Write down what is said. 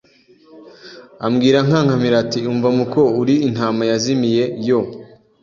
ambwira ankankamira ati umva muko uri intama yazimiye yo